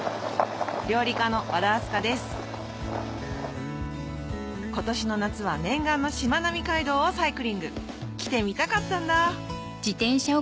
料理家の和田明日香です今年の夏は念願のしまなみ海道をサイクリング来てみたかったんだ